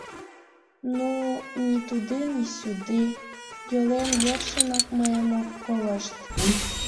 Ну, ни туды, ни сюды... йолем йӧршынак мыйым ок колышт.